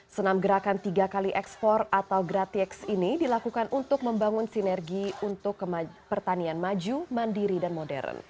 senam gerakan tiga x empat atau gratiex ini dilakukan untuk membangun sinergi untuk pertanian maju mandiri dan modern